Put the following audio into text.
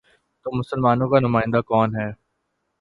تو مسلمانوں کا نمائندہ کون ہے؟